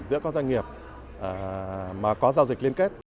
giữa các doanh nghiệp mà có giao dịch liên kết